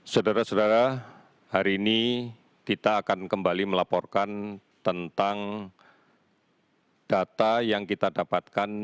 saudara saudara hari ini kita akan kembali melaporkan tentang data yang kita dapatkan